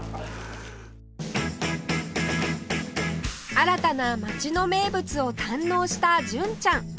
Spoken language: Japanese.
新たな町の名物を堪能した純ちゃん